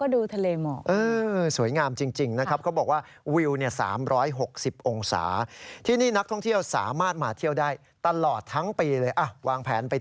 ได้ค่ะรายงานให้ได้ก่อนนะคะ